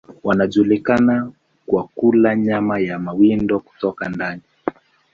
Wanajulikana kwa kula nyama ya mawindo kutoka ndani.